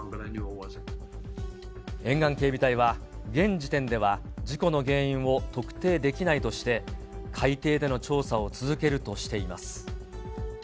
沿岸警備隊は現時点では事故の原因を特定できないとして、海底での調査を続けるとしています。